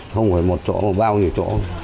không phải một chỗ mà bao nhiêu chỗ